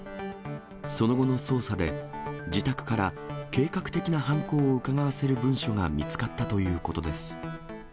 その後の捜査で、自宅から計画的な犯行をうかがわせる文書が見つかったということです。